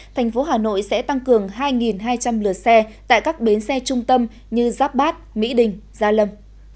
thành phố hà nội sẽ tăng cường hai hai trăm linh lượt xe tại các bến xe trung tâm như giáp bát mỹ đình gia lâm